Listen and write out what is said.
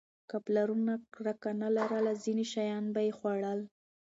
که پلرونه کرکه نه لرله، ځینې شیان به یې خوړل.